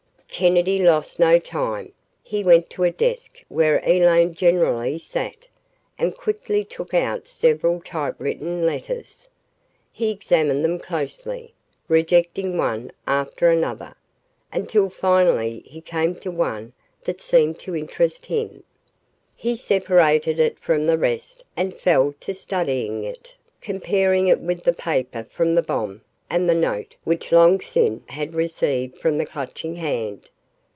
Kennedy lost no time. He went to a desk where Elaine generally sat, and quickly took out several typewritten letters. He examined them closely, rejecting one after another, until finally he came to one that seemed to interest him. He separated it from the rest and fell to studying it, comparing it with the paper from the bomb and the note which Long Sin had received from the Clutching Hand.